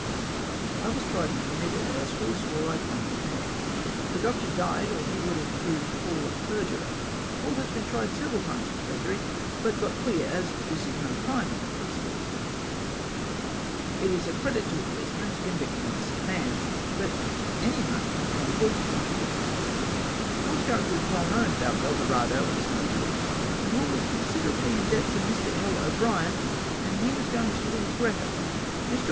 I was tried and committed as Hall swore I claimed the mare the Doctor died or he would have proved Hall a perjurer Hall has been tried several times for perjury but got clear as this is no crime in the Police force it is a credit to a Policeman to convict an innocent man but any muff can pot a guilty one Halls character is well known about El Dorado and Snowy Creek and Hall was considerably in debt to Mr L.O. Brien and he was going to leave Greta Mr O.